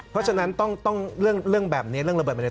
เพราะฉะนั้นต้องเรื่องแบบนี้เรื่องระเบิดแบบนี้